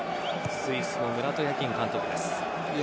スイスのムラト・ヤキン監督です。